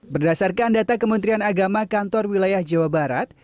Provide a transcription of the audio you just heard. berdasarkan data kementerian agama kantor wilayah jawa barat